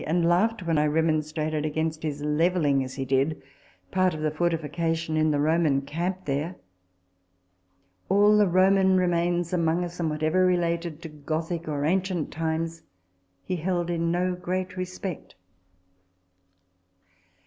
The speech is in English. R, TABLE TALK OF SAMUEL ROGERS 77 and laughed when I remonstrated against his levelling, as he did, part of the fortification in the Roman camp there. All the Roman remains among us, and whatever related to Gothic or ancient times, he held in no great respect.